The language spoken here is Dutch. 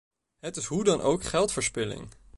Het is hoe dan ook geldverspilling.